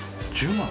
１０万